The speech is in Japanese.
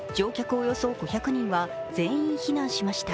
およそ５００人は全員避難しました。